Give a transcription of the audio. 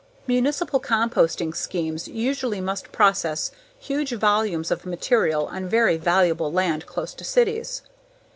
Municipal composting schemes usually must process huge volumes of material on very valuable land close to cities.